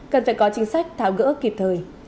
cần phải có chính sách tháo gỡ kịp thời